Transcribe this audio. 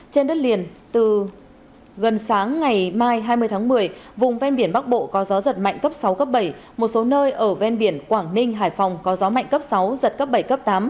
trên đất liền từ gần sáng ngày mai hai mươi tháng một mươi vùng ven biển bắc bộ có gió giật mạnh cấp sáu cấp bảy một số nơi ở ven biển quảng ninh hải phòng có gió mạnh cấp sáu giật cấp bảy cấp tám